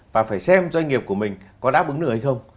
và phải xem doanh nghiệp của mình có đáp ứng được hay không